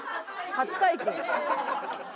初解禁。